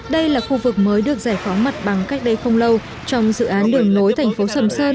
đây là khu vực mới được giải phóng mặt bằng cách đây không lâu trong dự án đường nối thành phố sầm sơn